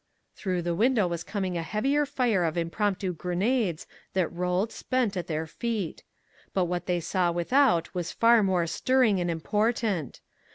Through the window was coming a heavier fire of impromptu grenades that rolled, spent, at their feet. But what they saw without was far more stirring and important.